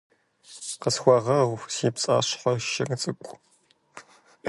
Къысхуэгъэгъу, си пцӀащхъуэ шыр цӀыкӀу.